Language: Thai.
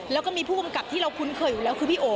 แล้วก็มีผู้กำกับที่เราคุ้นเคยอยู่แล้วคือพี่โอ๋